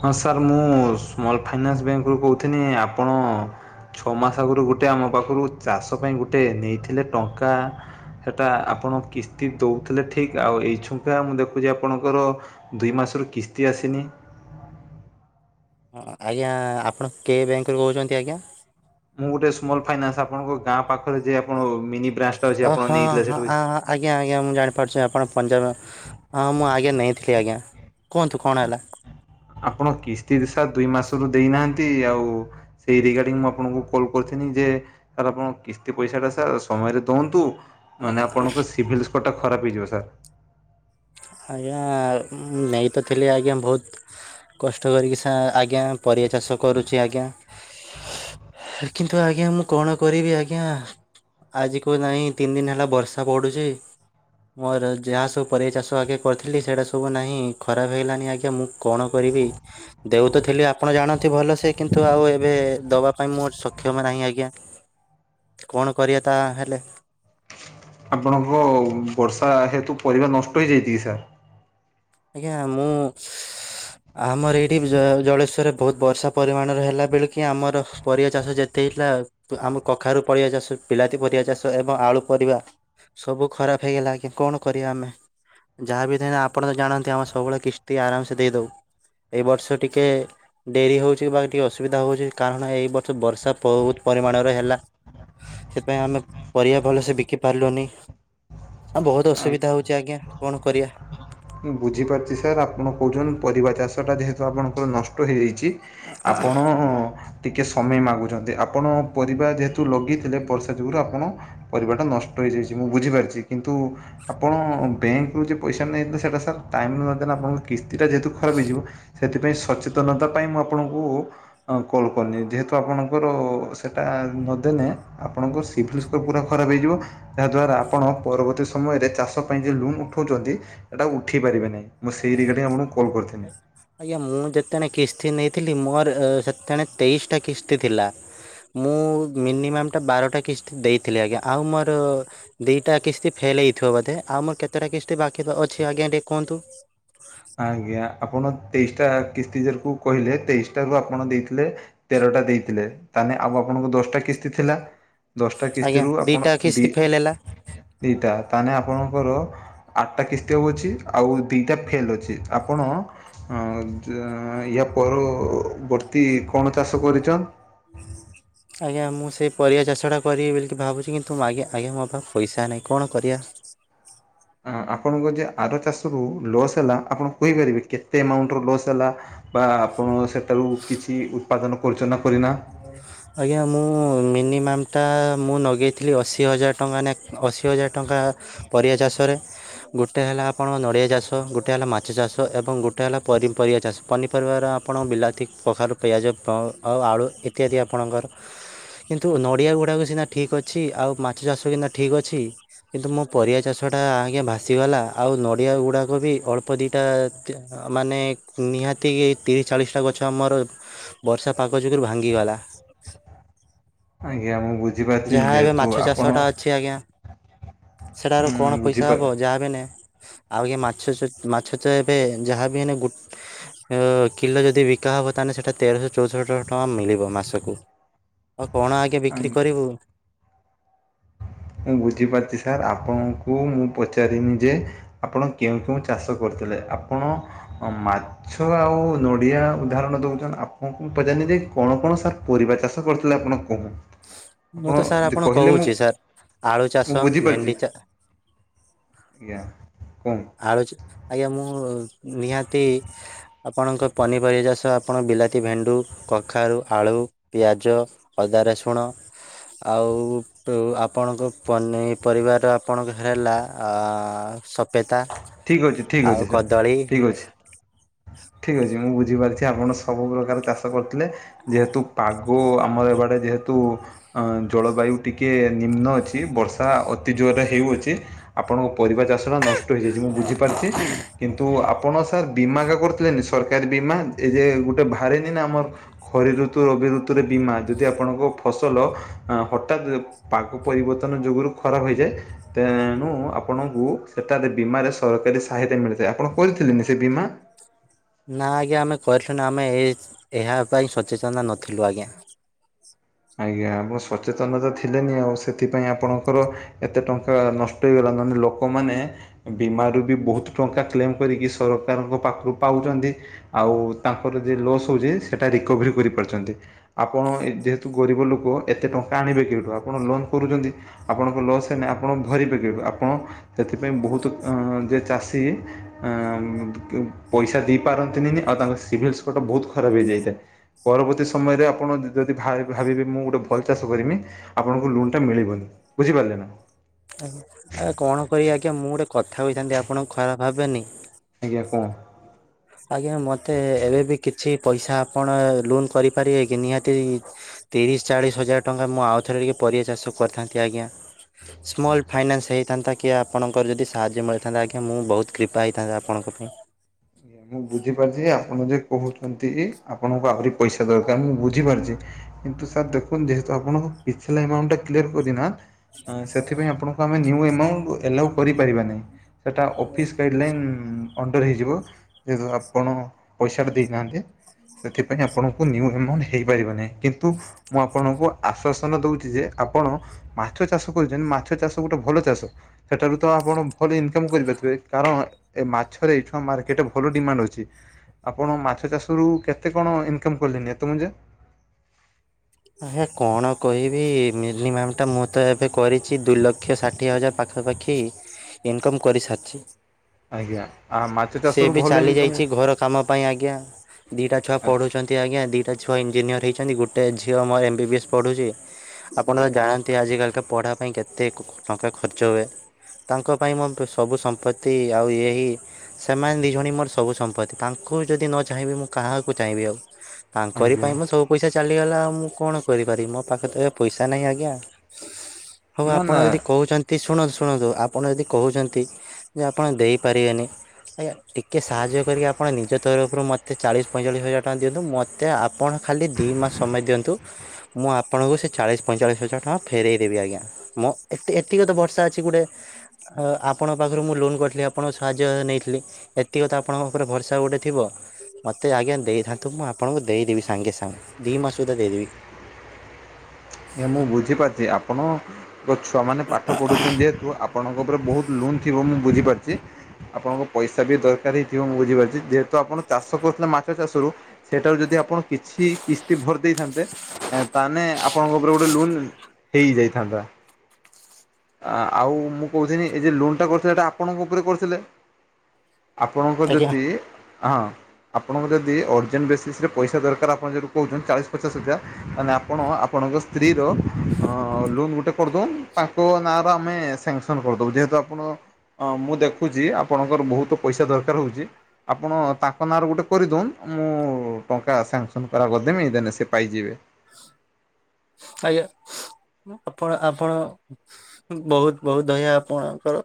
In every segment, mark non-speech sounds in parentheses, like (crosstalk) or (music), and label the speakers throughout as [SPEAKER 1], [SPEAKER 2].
[SPEAKER 1] ହଁ ସାର୍ ମୁଁ small finance bank ରୁ କହୁଥିନି ଆପଣ ଛଅ ମାସ ଆଗରୁ ଗୋଟେ ଆମ ପାଖରୁ ଚାଷ ପାଇଁ ଗୋଟେ ନେଇଥିଲେ ଟଙ୍କା। ସେଟା ଆପଣ କିସ୍ତି ଦଉଥିଲେ ଠିକ ଆଉ ଏଇଛୁଙ୍କା ମୁଁ ଦେଖୁଛି ଆପଣଙ୍କର ଦୁଇ ମାସର କିସ୍ତି ଆସିନି?
[SPEAKER 2] ହଁ ଆଜ୍ଞା ଆପଣ କେ ବ୍ୟାଙ୍କରୁ କହୁଛନ୍ତି ଆଜ୍ଞା?
[SPEAKER 1] ମୁଁ ଗୋଟେ ସ୍ମଲ୍ ଫାଇନାନ୍ସ ଆପଣଙ୍କ ଗାଁ ପାଖରେ ଯେ ଆପଣଙ୍କ ମିନି ବ୍ରାଞ୍ଚ୍
[SPEAKER 2] ଓ ହଁ ହଁଁ ଆଜ୍ଞା ଆଜ୍ଞା ମୁଁ ଜାଣିପାରୁଛି ଆପଣ ପଞ୍ଜାବ ହଁ ମୁଁ ଆଜ୍ଞା ନେଇଥିଲି ଆଜ୍ଞା କୁହନ୍ତୁ କଣ ହେଲା।
[SPEAKER 1] ଆପଣ କିସ୍ତି ସାର୍ ଦୁଇ ମାସରୁ ଦେଇନାହାନ୍ତି ଆଉ। ସେଇ ରିଗାର୍ଡିଙ୍ଗ୍ ମୁଁ ଆପଣଙ୍କୁ କଲ୍ କରିଥିନି ଯେ ସାର୍ ଆପଣ କିସ୍ତି ପଇସା ଟା ସାର୍ ସମୟରେ ଦଅନ୍ତୁ। ହନନେଲ ଆପଣଙ୍କ ସିଭିଲ୍ ସ୍କୋର୍ ଟା ଖରାପ୍ ହେଇଯିବ ସାର୍।
[SPEAKER 2] ଆଜ୍ଞା ମୁ ନେଇ ତ ଥିଲି ଆଜ୍ଞା ବହୁତ୍ କଷ୍ଟ କରିକି ସା ଆଜ୍ଞା ପରିବା ଚାଷ କରୁଛି ଆଜ୍ଞା। କିନ୍ତୁ ଆଜ୍ଞା ମୁଁ କଣ କରିବି ଆଜ୍ଞା। ଆଜି କୁ ନାହିଁ ତିନି ଦିନ ହେଲା ବର୍ଷା ପଡ଼ୁଛି ମୋର ଯାହା ସବୁ ପରିବା ଚାଷ ତ ଆଜ୍ଞା କରିଥିଲି ସେଇଟା ସବୁ ନାହିଁ ଖରାପ୍ ହେଇଗଲାଣି ଆଜ୍ଞା ମୁଁ କଅଣ କରିବି। ଦେଉ ତ ଥିଲି ଆପଣ ଜାଣନ୍ତି ଭଲ ସେ କିନ୍ତୁ ଆଉ। ଏବେ ଦବା ପାଇଁ ମୁଁ ସକ୍ଷମ ନାହିଁ ଆଜ୍ଞା କଣ କରିବା ତା ହେଲେ।
[SPEAKER 1] ଆପଣଙ୍କ ବର୍ଷା ହେତୁ ପରିବା ନଷ୍ଟ ହେଇଯାଇଛି କି ସାର୍?
[SPEAKER 2] ଆଜ୍ଞା ମୁଁ ଆମର ଏଇଠି ଜ- ଜଳେଶ୍ଵରରେ ବହୁତ ବର୍ଷା ପରିମାଣରେ ହେଲା ବଳେ କି ଆମର। ପରିବା ଚାଷ ଯେତିକି ହେଇଥିଲା ଆମ କଖାରୁ ପରିବା ଚାଷ ପିଲାତି ପରିବା ଚାଷ ଏବଂ ଆଳୁ ପରିବା। ସବୁ ଖରାପ୍ ହେଇଗଲା ଆଜ୍ଞା କଣ କରିବା ଆମେ ଯାହାବି ଆପଣ ତ ଜାଣନ୍ତି। ତି ଆମେ ସବୁବେଳେ କିସ୍ତି ଆରାମ୍ ସେ ଦେଇ ଦଉ ଏଇ ବର୍ଷ ଟିକେ ଡେରି ହଉଛି ବା ଟିକେ ଅସୁବିଧା ହଉଛି କାରଣ ଏଇ ବର୍ଷ ବର୍ଷା ବହୁତ୍ ପରିମାଣରେ ହେଲା। ସେଥିପାଇଁ ଆମେ ପରିବା ଭଲସେ ବିକି ପାରିଲୁନି। ହଁ ବହୁତ୍
[SPEAKER 1] ସାର୍?
[SPEAKER 2] ଅସୁବିଧା ହଉଛି ଆଜ୍ଞା କଣ କରିବା।
[SPEAKER 1] ମୁଁ ବୁଝିପାରୁଛି ସାର୍ ଆପଣ କହୁଛନ୍ତି ପରିବା ଚାଷଟା ଯେହେତୁ ଆପଣଙ୍କର ନଷ୍ଟ ହୋଇଯାଇଛି। ଆପଣ ଟିକିଏ ସମୟ ମାଗୁଛନ୍ତି ଆପଣ ପରିବା ଯେହେତୁ ଲଗେଇଥିଲେ ବର୍ଷା ଯୋଗୁରୁ ଆପଣ। ପରିବା ଟା ନଷ୍ଟ ହେଇଯାଇଛି ମୁଁ ବୁଝିପାରିଛି କିନ୍ତୁ ଆପଣ ବ୍ୟାଙ୍କ ରୁ ଯେ ପଇସା ନେଇ ସେଇଟା ସାର୍ ଟାଇମ୍ର ନଦେନେ ଆପଣଙ୍କ କିସ୍ତିଟା ଯେହେତୁ ଖରାପ୍ ହୋଇଯିବ। ସେଥିପାଇଁ ସଚେତନତା ପାଇଁ ମୁଁ ଆପଣଙ୍କୁ ଉ କଲ୍ କନି ଯେହେତୁ ଆପଣଙ୍କର ସେଟା ନଦେନେ ଆପଣଙ୍କ ସିଭିଲ୍ ସ୍କୋର ପୁରା ଖରାପେ ହେଇଯିବ। ଯାହା ଦ୍ଵାରା ଆପଣ ପରବର୍ତ୍ତୀ ସମୟରେ ଚାଷ ପାଇଁ ଯେ ଲୁନ୍ ଉଠଉଛନ୍ତି। ହେଟା ଉଠେଇ ପାରିବେ ନାହିଁ ମୁଁ ସେଇ ରିଗାର୍ଡ଼ିିଙ୍ଗ ଆପଣଙ୍କୁ କଲ୍ କରିଥିନି।
[SPEAKER 2] ଆଜ୍ଞା ମୁଁ ଯେତେଣେ କିସ୍ତି ନେଇଥିଲି ମୋର ସେତେଣେ ତେଇଶିଟା କିସ୍ତି ଥିଲା। ମୁଁ ମିନିମାମ୍ ଟା ବାରଟା କିସ୍ ଦେଇଥିଲି ଆଜ୍ଞା ଆଉ ମୋର ଦିଇଟା କିସ୍ତି ଫେଲ୍ ହେଇଥିବ ବୋଧେ ଆଉ ମୋର କେତେଟା କିସ୍ତି ବାକି ତ ଅଛି ଆଜ୍ଞା ଟିକେ କୁହନ୍ତୁ?
[SPEAKER 1] ଆଜ୍ଞା। ଆପଣ ତେଇଶିଟା କିସ୍ତିଜରକୁ କହିଲେ ତେଇଶିଟାରୁ ଆପଣ ଦେଇଥିଲେ ତେରଟା ଦେଇଥିଲେ ତାହେନେ ଆଉ ଆପଣଙ୍କୁ ଦଶଟା କିସ୍ତି ଥିଲା। ଦଶଟା
[SPEAKER 2] ଆଜ୍ଞା
[SPEAKER 1] କିସ୍ତିରୁ ଆପଣ
[SPEAKER 2] ଦିଟା
[SPEAKER 1] ଦି
[SPEAKER 2] କିସ୍ତି ଫେଲ୍ ହେଲା।
[SPEAKER 1] ଦିଟା ତାହେନେ ଆପଣଙ୍କର ଆଠଟା କିସ୍ତି ଅଛି ଆଉ ଦିଟା ଫେଲ୍ ଅଛି। ଆପଣ ୟା ପରବର୍ତ୍ତୀ କଣ ଚାଷ କରିଛ?
[SPEAKER 2] (unintelligible) ଆଜ୍ଞା ମୁଁ ସେଇ ପରିବା ଚାଷଟା କରିବି ବି ବୋଲିିକି ଭାବୁଛି କିନ୍ତୁ ଆଜ୍ଞା ମୋ ପାଖକୁ ପଇସା ନାହିଁ କଣ କରିବା।
[SPEAKER 1] ଆପଣଙ୍କ ଯେ ଆର ଚାଷରୁ ଲସ୍ ହେଲା ଆପଣ କହିପାରିବେ କେତେ ଆମାଉଣ୍ଟର ଲସ୍ ହେଲା। ବା ଆପଣ ସେଠାରୁ କିଛି ଉତ୍ପାଦନ କରଛନା କରିନା।
[SPEAKER 2] ହଁ ଆଜ୍ଞା ମୁଁ ମିନିମାମ୍ ଟା ମୁଁ ଲଗାଇଥିଲି ଅଶୀ ହଜାର ଟଙ୍କା ନା ଅଶୀ ହଜାର ଟଙ୍କା ପରିବା ଚାଷ ରେ ଗୋଟେ ହେଲା ଆପଣଙ୍କ ନଡ଼ିଆ ଚାଷ, ଗୋଟେ ହେଲା ମାଛ ଚାଷ ଏବଂ ଗୋଟେ ହେଲା ପ- ପରିବା ଚାଷ। ପନିପରିବାରେ ଆପଣ ବିଲାତି, କଖାରୁ, ପିଆଜ ଆଉ ଆଳୁ ଇତ୍ୟାଦି ଆପଣଙ୍କର କିନ୍ତୁ ନଡ଼ିଆ ଗୁଡ଼ାକ ସିନା ଠିକ ଅଛି, ଆଉ ମାଛ ଚାଷ ସିନା ଠିକ ଅଛି କିନ୍ତୁ ମୋ ପରିବା ଚାଷ ଟା ଆଜ୍ଞା ଭାସିଗଲା, ଆଉ ନଡ଼ିଆ ଗୁଡ଼ାକ ବି ଅଳ୍ପ ଦିଟା ମାନେ ନିହାତି ତିରିଶ - ଚାଳିଶଟା ଗଛ ଆମର ବର୍ଷା ପାଗ ଯୋଗୁ ରୁ ଭାଙ୍ଗିଗଲା।
[SPEAKER 1] ଆଜ୍ଞା ମୁଁ ବୁଝି
[SPEAKER 2] ଯାହା ଏବେ ମାଛ ଚାଷ ଟା ଅଛି ଆଜ୍ଞା। ସେଟାରୁ କଣ ପଇସା
[SPEAKER 1] ବୁଝିପାର
[SPEAKER 2] ହବ ଯାହା ବିନେ ଆଉ ଆଜ୍ଞା ମାଛ ମାଛ ତ ଏବେ ଯାହାବି ହେନେ କିଲୋ ଯଦି ବିକା ହବ ତାହେଲେ ସେଟା ତେରଶହ - ଚଉଦ ଶହ ଟଙ୍କା ମିଳିବ ମାସକୁ। ଆଉ କଣ ଆଜ୍ଞା ବିକ୍ରି କରିବୁ।
[SPEAKER 1] ମୁଁ ବୁଝିପାରୁିଛି ସାର୍ ଆପଣଙ୍କୁ ମୁଁ ପଚାରିନି ଯେ ଆପଣ କେଉଁ କେଉଁ ଚାଷ କରିଥିଲେ? ଆପଣ ମା ମାଛ ଆଉ ନଡ଼ିଆ ଉଦାହରଣ ଦଉଛନ୍ତି। ଆପଣଙ୍କୁ ମୁଁ ପଚାରିନି ଯେ କଣ କଣ ସାର୍ ପରିବା ଚାଷ କରିଥିଲେ ଆପଣ କହୁ
[SPEAKER 2] ମୁଁ
[SPEAKER 1] ଆପଣ
[SPEAKER 2] ତ ସାର୍ ଆପଣଙ୍କୁ
[SPEAKER 1] କହିଲେ ମୁଁ
[SPEAKER 2] କହୁଛି ସାର୍। ଆଳୁ ଚାଷ
[SPEAKER 1] ମୁଁ ବୁଝିପାରୁଛି
[SPEAKER 2] ଭେଣ୍ଡି ଚା
[SPEAKER 1] ଆଜ୍ଞା କୁହନ୍ତୁ।
[SPEAKER 2] (unintelligible) ଆଜ୍ଞା ମୁଁ ନିହାତି ଆପଣଙ୍କ ପନିପରିବା ଚାଷ, ଆପଣ ବିଲାତି, ଭେଣ୍ଡୁ, କଖାରୁ, ଆଳୁ, ପିଆଜ ଅଦା, ରସୁଣ ଆଉ ଆପଣଙ୍କ ପନି ପରିବାର ଆପଣଙ୍କ ହେଲା ସ- ସପେତା
[SPEAKER 1] ଠିକ୍ ଅଛି ଠିକ୍
[SPEAKER 2] ଆଉ
[SPEAKER 1] ଅଛି
[SPEAKER 2] କଦଳୀ
[SPEAKER 1] ଠିକ ଅଛି ମୁଁ ବୁଝିପାରୁଛି ଆପଣ ସବୁ ପ୍ରକାର ଚାଷ କରୁଥିଲେ। ଯେହେତୁ ପାଗ ଆମର ଏ ବାଡେ ଯେହେତୁ ଅ ଜଳବାୟୁ ଟିକେ ନିମ୍ନ ଅଛି ବର୍ଷା ଅତି ଜୋରରେ ହେଉଅଛି। ଆପଣଙ୍କ ପରିବା ଚାଷ ଟା ନଷ୍ଟ ହେଇଯାଇଛି ମୁଁ ବୁଝିପାରୁଛି। କିନ୍ତୁ ଆପଣ ସାର୍ ବୀମା ହେକା କରିଥିଲେନି ସରକାରୀ ବୀମା ଏ ଯେ ଗୋଟେ ବାହାରେନି ନା ଆମର ଖରି ଋତୁ ରବି ଋତୁରେ ବୀମା ଯଦି ଆପଣଙ୍କ ଫସଲ ହଠାତ୍ ପାଗ ପରିବର୍ତ୍ତନ ଯୋଗୁଁ ରୁ ଖରାପ ହେଇଯାଏ ତେଣୁ ଆପଣଙ୍କୁ ତ ବୀମାରେ ସରକାରୀ ସାହାୟତା ମିଳିଥାଏ। ଆପଣ କରିଥିଲେ ନି ସେ ବୀମା?
[SPEAKER 2] ନା ଆଜ୍ଞା ଆମେ କରିଥିଲୁ ଆମେ ଏ ଏହା ପାଇଁ ସଚେତନ ନଥିଲୁ ଆଜ୍ଞା।
[SPEAKER 1] ଆଜ୍ଞା ଆପଣ ସଚେତନ ତ ଥିଲେନି ଆଉ ସେଥିପାଇଁ ଆପଣଙ୍କର ଏତେ ଟଙ୍କା ନଷ୍ଟ ହେଇଗଲା। ନହେଲେ ଲୋକମାନେ ବୀମାରୁ ବି ବହୁତ ଟଙ୍କା କ୍ଲେମ କରିକି ସରକାରଙ୍କ ପାଖରୁ ପାଉଛନ୍ତି। ଆଉ ତାଙ୍କର ଯେ ଲସ୍ ହଉଛି ସେଟା ରିକଭରି କରି ପାରୁଛନ୍ତି। ଆପଣ ଯେ ହେତୁ ଗରିବ ଲୋକ ଏତେ ଟଙ୍କା ଆଣିବେ କେଉଠୁ? ଆପଣ ଲୋନ୍ କରୁଛନ୍ତି। ଆପଣଙ୍କ ଲସ୍ ହେନେ ଆପଣ ଭରିବେ (unintelligible) ଆପଣ ସେଥିପାଇଁ ବହୁତ ଯେ ଚାଷୀ ଏଁ ପଇସା ଦେଇ ପାରନ୍ତିନି ଆଉ ତାଙ୍କ ସିଭିଲ୍ ସ୍କୋର ବହୁତ ଖରାପ ହେଇଯାଇଥାଏ। ପରବର୍ତ୍ତୀ ସମୟରେ ଆପଣ ଯଦି ଭା ଭାବିବେ ମୁଁ ଗୋଟେ ଭଲ ଚାଷ କରମି, ଆପଣଙ୍କୁ ଲୋନଟା ମିଳିିବନି ବୁଝିପାରିଲେ ନା।
[SPEAKER 2] ଆଜ୍ଞା କଣ କରିବି ଆଜ୍ଞା ମୁଁ ଗୋଟେ କଥା କହିଥାନ୍ତି ଆପଣଙ୍କୁ ଖରାପ ଭାବିବେନି?
[SPEAKER 1] ଆଜ୍ଞା କଣ?
[SPEAKER 2] ଆଜ୍ଞା ମତେ ଏବେ ବି କିଛି ପଇସା ଆପଣ ଲୋନ୍ କରିପାରିବେ କି ନିହାତି ତିରିଶ-ଚାଳିଶ ହଜାର ଟଙ୍କା ମୁଁ ଆଉ ଥରେ ଟିକେ ପରିବା ଚାଷ କରିଥାନ୍ତି ଆଜ୍ଞା। ସ୍ମଲ୍ ଫାଇନାନ୍ସ ହୋଇଥାନ୍ତା କି ଆପଣଙ୍କର ଯଦି ସାହାଯ୍ୟ ମିଳିଥାନ୍ତା ଆଜ୍ଞା ମୁଁ ବହୁତ କ୍ରିପା ହୋଇଥାନ୍ତା ଆପଣଙ୍କ ପାଇଁ।
[SPEAKER 1] ଆଜ୍ଞା ମୁଁ ବୁଝିପାରୁଛି ଆପଣ ଯେ କହୁଛନ୍ତି ଆପଣଙ୍କୁ ଆହୁରି ପଇସା ଦରକାର ମୁଁ ବୁଝିପାରୁଛି। କିନ୍ତୁ ସାର୍ ଦେଖନ୍ତୁ ଯେହେତୁ ଆପଣଙ୍କୁ ପିଛଲା ଆମାଉଣ୍ଟଟା କ୍ଲିଅର କରିନା ଆଁ ସେଥିପାଇଁ ଆପଣଙ୍କୁ ଆମେ ନିଉ ଆମାଉଣ୍ଟ ଆଲାଉ କରିପାରିବା ନାହିଁ ସେଟା ଅଫିସ କ୍ରାଇ (unintelligible) ଅଣ୍ଡର ହେଇଯିବ ଯେହେତୁ ଆପଣ ପଇସାଟା ଦେଇନାହାନ୍ତି। ସେଥିପାଇଁ ଆପଣଙ୍କୁ ନିଉ ଏମାଉଣ୍ଟ ହେଇପାରିବ ନାହିଁ କିନ୍ତୁ ମୁଁ ଆପଣଙ୍କୁ ଆଶ୍ଵାସନା ଦଉଛି ଯେ ଆପଣ ମାଛ ଚାଷ କରିୁଛନ୍ତି ମାଛ ଚାଷ ଗୋଟେ ଭଲ ଚାଷ। ସେଠାରୁ ତ ଆପଣ ଭଲ ଇନକମ କରିପାରୁଥିବେ କାରଣ ଏ ମାଛରେ ଏଇ ମାର୍କେଟ ଭଲ ଡିମାଣ୍ଡ ଅଛି ଆପଣ ମାଛ ଚାଷରୁ କେତେ କଣ ଇନକମ୍ କଲେନି ଏତେ ମୁଞ ଯେ
[SPEAKER 2] ଆଜ୍ଞା କଣ କହିବି ମିନିମମ୍ ଟା ମୁଁ ତ ଏବେ କରିଛି ଦୁଇ ଲକ୍ଷ ଷାଠିଏ ହଜାର। ପାଖାପାଖି ଇନକମ୍ କରିସାରିଛି।
[SPEAKER 1] ଆଜ୍ଞା ଆ ମାଛ
[SPEAKER 2] ସେ
[SPEAKER 1] ଚାଷରୁ
[SPEAKER 2] ବି
[SPEAKER 1] ଭଲ
[SPEAKER 2] ଚାଲି
[SPEAKER 1] ଇନକମ୍
[SPEAKER 2] ଯାଇଛି ଘର କାମ ପାଇଁ ଆଜ୍ଞା ଦିଇଟା ଛୁଆ ପଢ଼ୁଛନ୍ତି ଆଜ୍ଞା ଦିଟା ଛୁଆ ଇଞ୍ଜିନିୟର ହେଇଛନ୍ତି ଗୋଟ ଝିଅ ମୋର ଏମବିବି ଏସ୍ ପଢ଼ୁଛି। ଆପଣ ତ ଜାଣନ୍ତି ଆଜିିକାଲି ପଢା ପାଇଁ କେତେ ଟଙ୍କା ଖର୍ଚ୍ଚ ହୁଏ। ତାଙ୍କ ପାଇଁ ମୋ ସବୁ ସମ୍ପତ୍ତି ଆଉ ଏହି ସେମାନେ ଦିଇ ଜଣ ମୋର ସବୁ ସମ୍ପତ୍ତି ତାଙ୍କୁ ଯଦି ନ ଚାହିଁବି ମୁଁ କାହାକୁ ଚାହିଁବି ଆଉ। ତାଙ୍କରି
[SPEAKER 1] ଆଜ୍ଞା
[SPEAKER 2] ପାଇଁ ମୋ ସବୁ ପଇସା ଚାଲିଗଲା ଆଉ। ମୁଁ କଣ କରିପାରିବି ମୋ ପାଖରେ ତ ଏବେ ପଇସା ନାହିଁ ଆଜ୍ଞା ହଉ
[SPEAKER 1] ନା
[SPEAKER 2] ଆପଣ
[SPEAKER 1] ନା
[SPEAKER 2] ଯଦି କହୁଛନ୍ତି ଶୁଣନ୍ତୁ ଶୁଣନ୍ତୁ ଆପଣ ଯଦି କହୁଛନ୍ତି ଯେ ଆପଣ ଦେଇପାରିବେନି। ଆଜ୍ଞା ଟିକେ ସାହାଯ୍ୟ କରିକି ଆପଣ ନିଜ ତରଫରୁ ମୋତେ ଚାଳିଶ ପଇଁଚାଳିଶ ହଜାର ଟଙ୍କା ଦିଅନ୍ତୁ ମୋତେ ତ ଆପଣ ଖାଲି ଦୁଇ ମାସ ସମୟ ଦିଅନ୍ତୁ। ମୁଁ ଆପଣଙ୍କୁ ସେ ଚାଳିଶ ପଇଁଚାଳିଶ ହଜାର ଟଙ୍କା ଫେରଇ ଦେବି ଆଜ୍ଞା। ମ ଏ ଏତିକ ତ ବର୍ଷା ଅଛି ଗୋଟେ ହ ଆପଣଙ୍କ ପାଖରୁ ମୁଁ ଲୋନ କରିଥିଲି ଆପଣଙ୍କ ସାହାଯ୍ୟ ନେଇଥିଲି। ଏତିକ ତ ଆପଣଙ୍କ ପାଖରେ ଭରସା ଗୋଟେ ଥିବ। ମତେ ଆଜ୍ଞା ଦେଇଥାନ୍ତୁ ମୁଁ ଆପଣଙ୍କୁ ଦେଇଦେବି ସାଙ୍ଗେ ସାଙ୍ଗେ ଦି ମାସ ସୁଦ୍ଧା ଦେଇଦେବି।
[SPEAKER 1] ଏ ମୁଁ ବୁଝିପାରୁଛି ଆପଣ। ଛୁଆମାନେ ପାଠ ପଢ଼ୁଛନ୍ତି ଯେହେତୁ ଆପଣଙ୍କ ଉପରେ ବହୁତ ଲୁନ୍ ଥିବ ମୁଁ ବୁଝିପାରୁଛି। ଆପଣଙ୍କ ପଇସା ବି ଦରକାର ହେଇଥିବ ମୁଁ ବୁଝିପାରୁଛି ଯେହେତୁ ଆପଣ ଚାଷ କରୁଥିଲେ ମାଛ ଚାଷରୁ। ସେଇଟାରୁ ଯଦି ଆପଣ କିଛି କିସ୍ତି ଭରି ଦେଇଥାନ୍ତେ ତାହେଲେ ଆପଣଙ୍କ ଉପରେ ଗୋଟେ ଲୋନ୍ ହେଇଯାଇଥାନ୍ତା। ଆଉ ମୁଁ କହୁଥିଲି ଏ ଯେ ଲୋନ୍ଟା କରିଥିଲେ ଏଇଟା ଆପଣଙ୍କ ଉପରେ କରିଥିଲେ। ଆପଣଙ୍କ
[SPEAKER 2] ଆଜ୍ଞା।
[SPEAKER 1] ଯଦି ହଁ ଆପଣଙ୍କ ଯଦି ଅର୍ଜେଣ୍ଟ ବେସିସ ରେ ପଇସା ଦରକାର ଆପଣ ଯେମତି କହୁଛନ୍ତି ଚାଳିଶ ପଚାଶ ହଜାର। ତାହେଲେ ଆ ଆପଣ ଆପଣଙ୍କ ସ୍ତ୍ରୀର ଲୋନ୍ ଗୋଟେ କରିଦଉ ତାଙ୍କ ନାଁର ଆମେ ସାଙ୍ଗସନ୍ କରିଦେବୁ ଯେହେତୁ ଆପଣ ମୁଁ ଦେଖୁଛି ଆପଣଙ୍କର ବହୁତ ପଇସା ଦରକାର ହେଉଛି। ଆପଣ ତାଙ୍କ ନାଁରେ ଗୋଟେ କରିଦଉନ୍ତ ମୁଁ ଟଙ୍କା ସାଙ୍ଗସନ୍ କର କରିଦେମି ଏଇ ଦେନେ ସେ ପାଇଯିବେ।
[SPEAKER 2] ଆଜ୍ଞା ଆପଣ ଆପଣ ବହୁତ ବହୁତ ଦୟା ଆପଣଙ୍କର।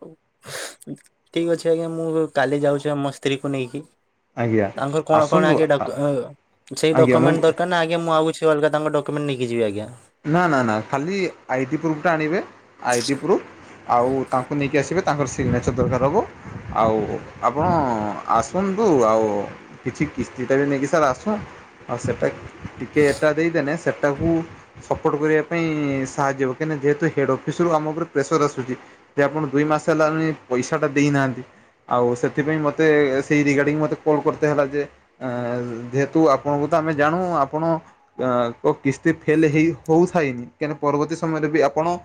[SPEAKER 2] ଠିକ ଅଛି ଆଜ୍ଞା ମୁଁ କାଲି ଯାଉଛି ମୋ ସ୍ତ୍ରୀକୁ ନେଇକି।
[SPEAKER 1] ଆଜ୍ଞା
[SPEAKER 2] ତାଙ୍କର କଣ କଣ
[SPEAKER 1] ଆସନ୍ତୁ
[SPEAKER 2] ଆଜ୍ଞା ଡା ସେଇ
[SPEAKER 1] ଆଜ୍ଞା ମୁଁ
[SPEAKER 2] ଡକ୍ୟୁମଣ୍ଟ ଦରକାର ନା ଆଜ୍ଞା ମୁଁ ଆଉକିଛି ଅଲଗା ତାଙ୍କ ଡକ୍ୟୁମେଣ୍ଟ ନେଇକି ଯିବ ଆଜ୍ଞା।
[SPEAKER 1] ନା ନା ନା ଖାଲି ଆଇ ଡ଼ି ପ୍ରୁଫ ଟା ଆଣିବେ ଆଇଡ଼ି ପ୍ରୁଫ୍ ଆଉ ତାଙ୍କୁ ନେଇକି ଆସିବେ। ତାଙ୍କର ସିଗ୍ନେଚର୍ ଦରକାର ହେବ ଆଉ ଆପଣ ଆସନ୍ତୁ ଆଉ କିଛି କିସ୍ତିଟା ବି ନେଇକି ସାର୍ ଆସ ଆଉ ସେଇଟା ଟିକେ ଏଟା ଦେଇଦେନେ ସେଟାକୁ ସପୋର୍ଟ କରିବା ପାଇଁ ସାହାଯ୍ୟ କାହିଁକିନା ଯେହେତୁ ହେଡ ଅଫିସ ରୁ ଆମ ଉପରେ ପ୍ରେସର ଆସୁଛି। ଯେ ଆପଣ ଦୁଇ ମାସ ହେଲାନି ପଇସା ଟା ଦେଇନାହାନ୍ତି ଆଉ ସେଥିପାଇଁ ମତେ ସେଇ ରିଗାର୍ଡିଙ୍ଗ ମତେ କଲ୍ କରତେ ହେଲା ଯେ ଯେହେତୁ ଆପଣଙ୍କୁ ତ ଆମେ ଜାଣୁ ଆପଣ ଅ ତ କିସ୍ତି ଫେଲ ହେଇ ହଉଥାାଇନି କାହିଁକିନା ପରବର୍ତୀ ସମୟରେ ବି ଆପଣ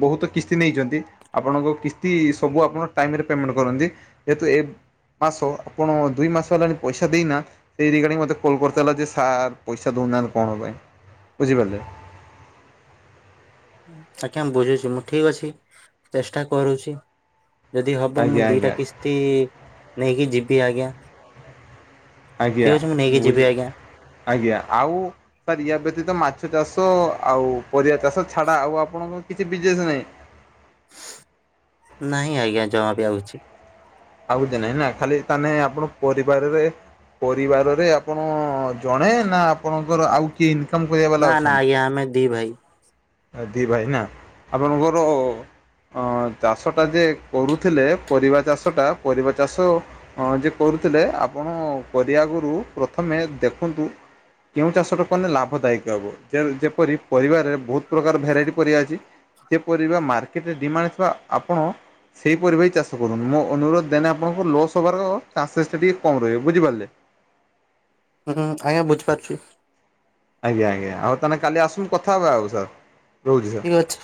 [SPEAKER 1] ବହୁତ କିସ୍ତି ନେଇଛନ୍ତି ଆପଣଙ୍କ କିସ୍ତି ସବୁ ଆପଣ ଟାଇମରେ ପେମେଣ୍ଟ କରନ୍ତି। ଯେହେତୁ ଏ ମାସ ଆପଣ ଦୁଇ ମାସ ହେଲାଣି ପଇସା ଦେଇନା ସେଇ ରିଗାର୍ଡିଙ୍ଗ ମତେ କଲ୍ କରି ହେଲା ଯେ ସାର୍ ପଇସା ଦଉନାହାନ୍ତି କଣ ପାଇଁ ବୁଝିପାରିଲେ।
[SPEAKER 2] ଆଜ୍ଞା ମୁଁ ବୁଝୁଛି ମୁଁ ଠିକ ଅଛି ଚେଷ୍ଟା କରୁଛି। ଯଦି ହବ ମୁଁ
[SPEAKER 1] ଆଜ୍ଞା
[SPEAKER 2] ଦିଟା
[SPEAKER 1] ଆଜ୍ଞା
[SPEAKER 2] କିସ୍ତି ନେଇକି ଯିବି ଆଜ୍ଞା।
[SPEAKER 1] ଆଜ୍ଞା
[SPEAKER 2] ଠିକ ଅଛି ମୁଁ ନେଇକି
[SPEAKER 1] ବୁଝି
[SPEAKER 2] ଯିବି ଆଜ୍ଞା।
[SPEAKER 1] ଆଜ୍ଞା ଆଉ ସାର୍ ୟା ବ୍ୟତୀତ ମାଛ ଚାଷ ଆଉ ପରିବା ଚାଷ ଛାଡ଼ା ଆଉ ଆପଣଙ୍କର କିଛି ବିଜନେସ୍ ନାହିଁ?
[SPEAKER 2] ନାଇଁ ଆଜ୍ଞା ଜ ବି ଆଉଛି।
[SPEAKER 1] ଆଉ କିଛି ନାଇଁ ନା ଖାଲି ତାନେ ଆପଣ ପରିବାରରେ ପରିବାରରେ ଆପଣ ଜଣେ ନା ଆପଣଙ୍କର ଆଉ କିଏ ଇନକମ କରିବା
[SPEAKER 2] ନା
[SPEAKER 1] ବାଲା
[SPEAKER 2] ନା
[SPEAKER 1] ଅଛନ୍ତି?
[SPEAKER 2] ଆଜ୍ଞା ଆମେ ଦି ଭାଇ।
[SPEAKER 1] ଦି ଭାଇନା ଆପଣଙ୍କର? ହଁ ଚାଷଟା ଯେ କରୁଥିଲେ ପରିବା ଚାଷଟା ପରିବା ଚାଷ ହଁ ଯେ କରୁଥିଲେ ଆପଣ କରିବା ଆଗରୁ ପ୍ରଥମେ ଦେଖନ୍ତୁ କେଉଁ ଚାଷଟା କଲେ ଲାଭଦାୟକ ହେବ ଯେ ଯେପରି ପରିବାରରେ ବହୁତ ପ୍ରକାର ଭେରାଇଟି ପରିବା ଅଛି ଯେ ପରିବା ମାର୍କେଟରେ ଡିମାଣ୍ଡ ଥିବା ଆପଣ ସେହିପରି ଭାଇ ଚାଷ କରୁନ୍ତୁ ମୋ ଅନୁରୋଧ ଦେନ ଆପଣଙ୍କୁ ଲସ୍ ହେବାର ଚାନ୍ସେସ୍ଟା ଟିକିଏ କମ୍ ରହିବେ ବୁଝିପାରିଲେ?
[SPEAKER 2] ହୁଁ ଆଜ୍ଞା ବୁଝିପାରୁଛୁ।
[SPEAKER 1] ଆଜ୍ଞା ଆଜ୍ଞା ଆଉ ତାହେଲେ କାଲି ଆସୁନୁ କଥା ହେବା ଆଉ ସାର୍ ରହୁଛି ସାର୍।
[SPEAKER 2] ଠିକ୍ ଅଛି।